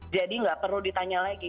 jadi gak perlu ditanya lagi